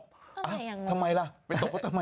ทำไมล่ะไปตบเขาทำไม